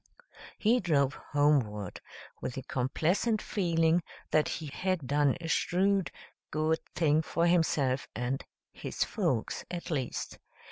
He drove homeward with the complacent feeling that he had done a shrewd, good thing for himself and "his folks" at least.